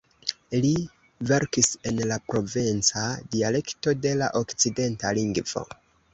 Li verkis en la provenca dialekto de la okcitana lingvo.